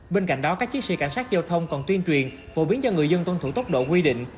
bên cạnh đó các chiến sĩ cảnh sát giao thông còn tuyên truyền phổ biến cho người dân tuân thủ tốc độ quy định